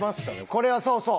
これはそうそう。